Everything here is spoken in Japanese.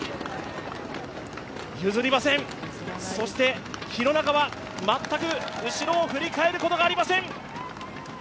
譲りません、そして廣中は全く後ろを振り返ることがありません。